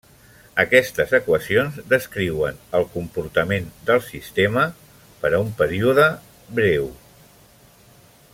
Aquestes equacions descriuen el comportament del sistema per a un període breu.